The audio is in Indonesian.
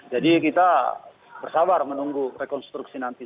jadi kita bersabar menunggu rekonstruksi nanti